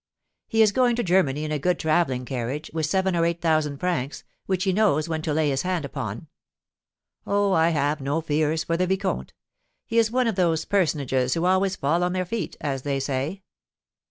"He is going to Germany in a good travelling carriage, with seven or eight thousand francs, which he knows when to lay his hand upon. Oh, I have no fears for the vicomte! He is one of those personages who always fall on their feet, as they say."